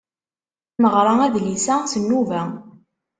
Neɣra adlis-a s nnuba.